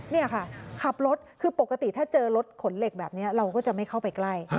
นี่ค่ะขับรถคือปกติถ้าเจอรถขนเหล็กแบบนี้เราก็จะไม่เข้าไปใกล้